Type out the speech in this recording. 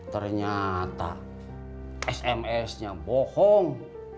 ternyata smsnya bohong